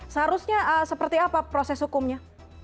seharusnya seperti apa proses hukumnya